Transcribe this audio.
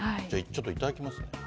じゃあ、ちょっといただきますか。